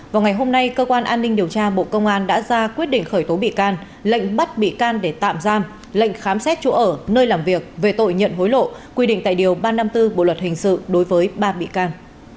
vào ngày hôm nay cơ quan an ninh điều tra bộ công an đã ra quyết định khởi tố bị can lệnh bắt bị can để tạm giam lệnh khám xét chỗ ở nơi làm việc về tội nhận hối lộ quy định tại điều ba trăm năm mươi bốn bộ luật hình sự đối với ba bị can